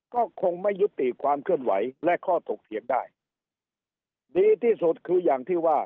ก็คงไม่ยุติความเคลื่อนไหวและข้อถกเถียงได้ดีที่สุดคืออย่างที่ว่า